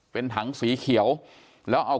กลุ่มตัวเชียงใหม่